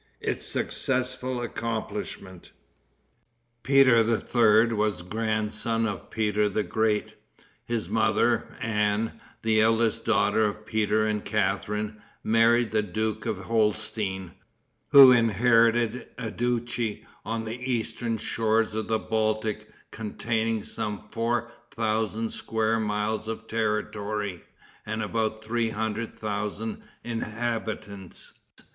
Its Successful Accomplishment. Peter the Third was grandson of Peter the Great. His mother, Anne, the eldest daughter of Peter and Catharine, married the Duke of Holstein, who inherited a duchy on the eastern shores of the Baltic containing some four thousand square miles of territory and about three hundred thousand inhabitants.